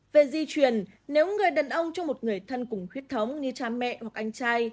về di truyền nếu người đàn ông cho một người thân cùng huyết thống như cha mẹ hoặc anh trai